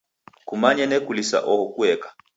Kumanye nekulisa oho kueka.